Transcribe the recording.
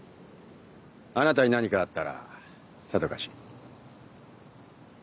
あなたに何かあったらさぞかし。